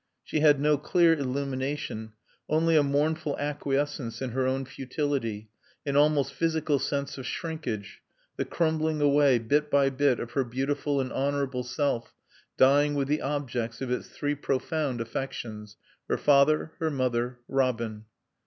She had no clear illumination, only a mournful acquiescence in her own futility, an almost physical sense of shrinkage, the crumbling away, bit by bit, of her beautiful and honorable self, dying with the objects of its three profound affections: her father, her mother, Robin.